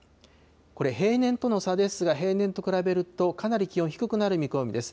これ、平年との差ですが、平年と比べると、かなり気温低くなる見込みです。